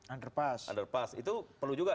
underpass itu perlu juga